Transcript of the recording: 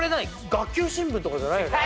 学級新聞とかじゃないよね？